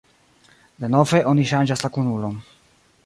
"Denove oni ŝanĝas la kunulon."